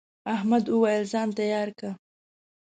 احمد وويل: ځان تیار که.